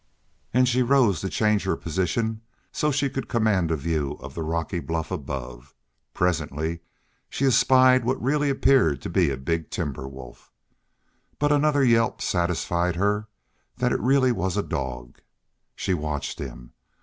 And she rose to change her position so she could command a view of the rocky bluff above. Presently she espied what really appeared to be a big timber wolf. But another yelp satisfied her that it really was a dog. She watched him.